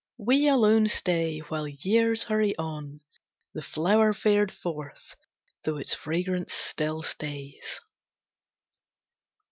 We alone stay While years hurry on, The flower fared forth, though its fragrance still stays.